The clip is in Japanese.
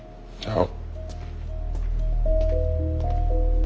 ああ。